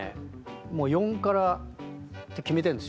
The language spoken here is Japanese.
もう４辛って決めてんですよ。